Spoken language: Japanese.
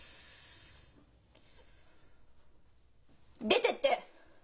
出てって！